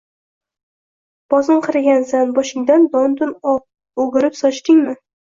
Bosinqiragansan boshingdan don-dun o‘girib sochdingmi?.